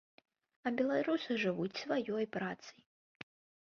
А беларусы жывуць сваёй працай.